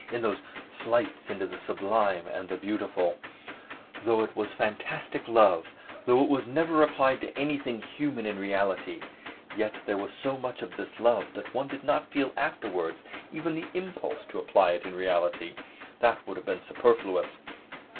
in those "flights into the sublime and the beautiful"; though it was fantastic love, though it was never applied to anything human in reality, yet there was so much of this love that one did not feel afterwards even the impulse to apply it in reality; that would have been superfluous.